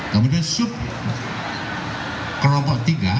kemudian sub kelompok tiga